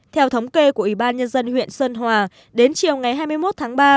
theo thống kê của ủy ban nhân dân huyện sơn hòa đến chiều ngày hai mươi một tháng ba